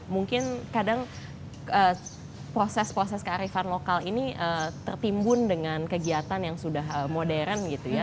mungkin kadang proses proses kearifan lokal ini tertimbun dengan kegiatan yang sudah modern gitu ya